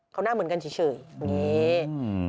เขาหน้าเหมือนกันเฉยอย่างนี้